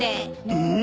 うん？